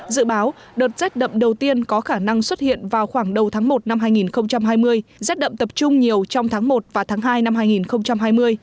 dự báo đợt rét đậm đầu tiên có khả năng xuất hiện vào khoảng đầu tháng một năm hai nghìn hai mươi rét đậm tập trung nhiều trong tháng một và tháng hai năm hai nghìn hai mươi